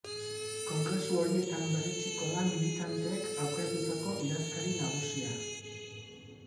Kongresu horietan berretsiko da militanteek aukeratutako idazkari nagusia.